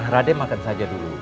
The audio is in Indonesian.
raden makan saja dulu